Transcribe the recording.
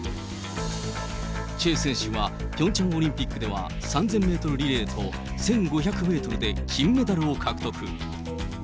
チェ選手はピョンチャンオリンピックでは３０００メートルリレーと、１５００メートルで金メダルを獲得。